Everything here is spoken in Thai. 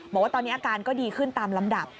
บอกว่าตอนนี้อาการก็ดีขึ้นตามลำดับ